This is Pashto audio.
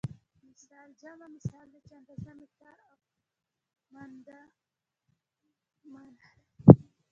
مثل جمع مثال دی چې اندازه مقدار او مانند مانا لري